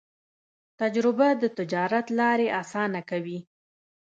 تجربه د تجارت لارې اسانه کوي.